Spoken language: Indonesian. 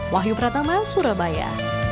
wahyu pratama surabaya